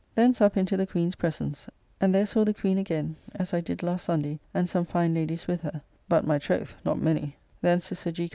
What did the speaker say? Thence up into the Queen's presence, and there saw the Queen again as I did last Sunday, and some fine ladies with her; but, my troth, not many. Thence to Sir G.